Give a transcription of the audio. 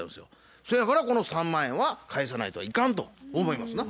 そやからこの３万円は返さないといかんと思いますな。